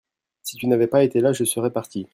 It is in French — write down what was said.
si tu n'avais pas été là je serais parti.